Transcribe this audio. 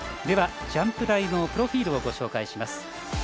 では、ジャンプ台のプロフィールをご紹介します。